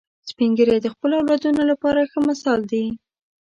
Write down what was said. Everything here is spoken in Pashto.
سپین ږیری د خپلو اولادونو لپاره ښه مثال دي